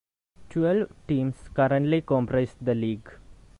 Twelve teams currently comprise the league.